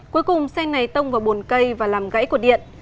cuối cùng xe này tông vào bồn cây và làm gãy của điện